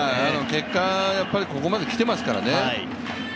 結果、やっぱりここまで来てますからね。